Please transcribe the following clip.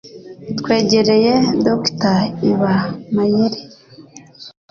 twegereye Dr Iba Mayere ,